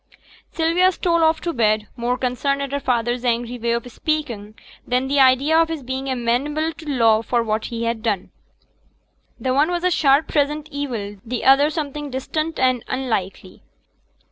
Sylvia stole off to bed; more concerned at her father's angry way of speaking than at the idea of his being amenable to law for what he had done; the one was a sharp present evil, the other something distant and unlikely.